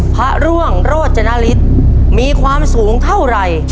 พระร่วงโรจนฤทธิ์มีความสูงเท่าไหร่